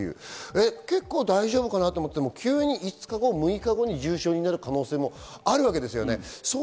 結構大丈夫かなと思っても５日後、６日後に重症化することもあるわけですよね。